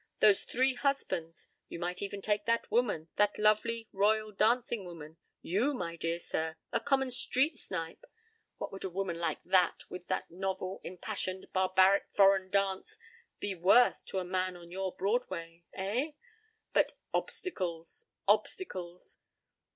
Those three husbands! You might even take that woman, thatlovely, royal dancing woman—you, my dear sir, a common street snipe. What would a woman like that, with that novel, impassioned, barbaric, foreign dance, be worth to a man on your Broadway? Eh? But obstacles! Obstacles!